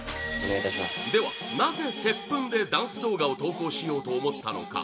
では、なぜ「接吻」でダンス動画を投稿しようと思ったのか？